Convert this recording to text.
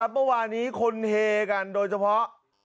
ครับว่านี้คนเฮกันโดยเฉพาะ